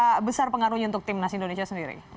bagaimana besar pengaruhnya untuk tim nasional indonesia sendiri